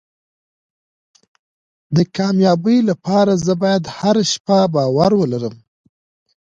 د کامیابۍ لپاره زه باید هره شپه باور ولرم.